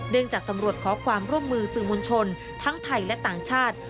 จากตำรวจขอความร่วมมือสื่อมวลชนทั้งไทยและต่างชาติ